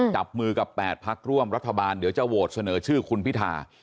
จับมือกับ๘พักร่วมรัฐบาลเดี๋ยวจะโหวตเสนอชื่อคุณพิธา